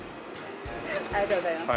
ありがとうございます。